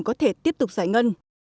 có thể tiếp tục giải ngân